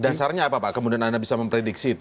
dasarnya apa pak kemudian anda bisa memprediksi itu